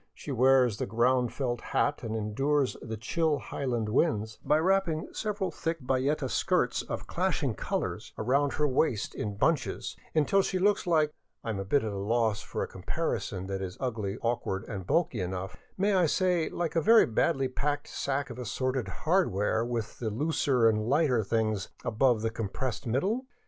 She wears the round felt hat and endures the chill highland winds by wrapping several thick bayeta skirts of clashing colors around her waist in bunches, until she looks like — I am at a loss for a com parison that is ugly, awkward, and bulky enough ;— may I say, like a very badly packed sack of assorted hardware with the looser and lighter things above the compressed middle?